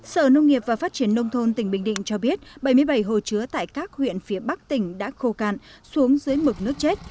sở nông nghiệp và phát triển nông thôn tỉnh bình định cho biết bảy mươi bảy hồ chứa tại các huyện phía bắc tỉnh đã khô cạn xuống dưới mực nước chết